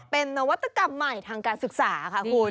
เป็นนวัตกรรมใหม่ทางการศึกษาค่ะคุณ